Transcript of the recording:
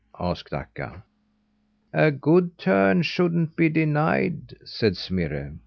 asked Akka. "A good turn shouldn't be denied," said Smirre.